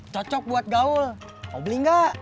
cocok buat gaul mau beli nggak